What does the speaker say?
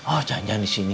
oh jangan jangan di sini